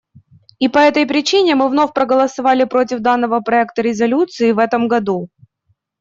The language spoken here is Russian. И по этой причине мы вновь проголосовали против данного проекта резолюции в этом году.